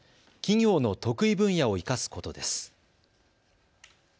企業の得意分野を生かすことです。